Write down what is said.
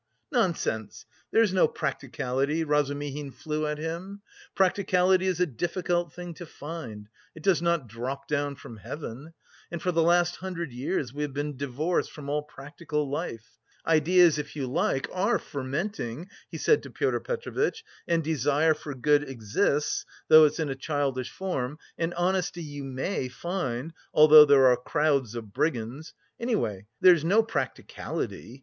"Nonsense! There's no practicality." Razumihin flew at him. "Practicality is a difficult thing to find; it does not drop down from heaven. And for the last two hundred years we have been divorced from all practical life. Ideas, if you like, are fermenting," he said to Pyotr Petrovitch, "and desire for good exists, though it's in a childish form, and honesty you may find, although there are crowds of brigands. Anyway, there's no practicality.